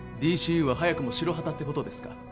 ＤＣＵは早くも白旗ってことですか？